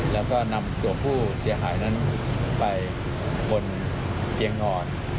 แล้วก็นำตัวผู้เสียหายนั้นไปบนเตียงนอน